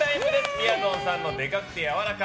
みやぞんさんのデカくてやわらか！